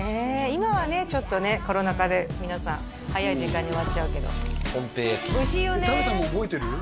今はねちょっとねコロナ禍で皆さん早い時間に終わっちゃうけどおいしいよね